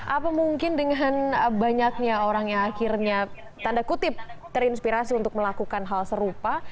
apa mungkin dengan banyaknya orang yang akhirnya tanda kutip terinspirasi untuk melakukan hal serupa